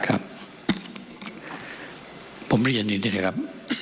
ครับผมเรียนอย่างนี้นะครับ